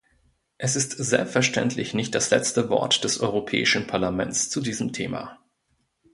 Es ist selbstverständlich nicht das letzte Wort des Europäischen Parlaments zu diesem Thema.